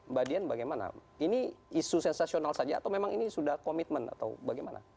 mbak dian bagaimana ini isu sensasional saja atau memang ini sudah komitmen atau bagaimana